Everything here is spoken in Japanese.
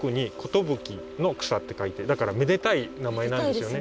めでたい名前なんですよね。